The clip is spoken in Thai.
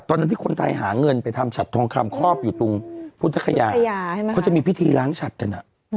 ตอนที่คนไทยหาเงินไปทำฉัดทองคำครอบอยู่ตรงมุฒิภูมิตรภูตภัยาเขาจะมีพิธีล้างฉัดกันอะ